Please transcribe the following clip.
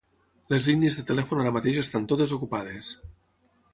Les línies de telèfon ara mateix estan totes ocupades.